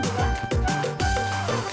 kalau begitu caranya mah